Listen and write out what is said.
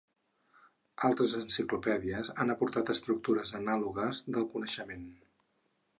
Altres enciclopèdies han aportat estructures anàlogues del coneixement.